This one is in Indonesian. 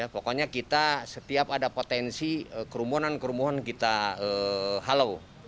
pokoknya kita setiap ada potensi kerumunan kerumunan kita halo